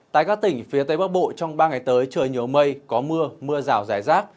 tại các tỉnh phía tây bắc bộ trong ba ngày tới trời nhiều mây có mưa mưa rào rải rác